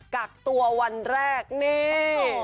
กักตัววันแรกนี่